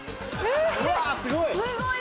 うわぁすごい！